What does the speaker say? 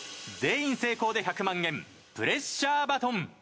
全員成功で１００万円プレッシャーバトン。